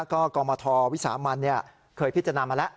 ก็กรมทวิสามันเคยพิจารณามาแล้ว